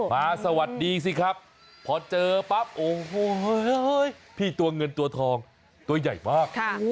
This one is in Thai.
สวัสดีสิครับพอเจอปั๊บโอ้โหพี่ตัวเงินตัวทองตัวใหญ่มาก